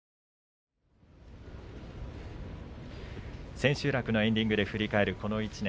千秋楽のエンディングで振り返る、この１年。